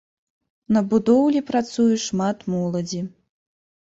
На будоўлі працуе шмат моладзі.